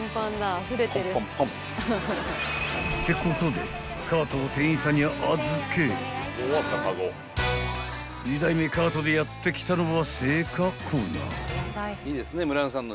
［ってことでカートを店員さんに預け２台目カートでやって来たのは］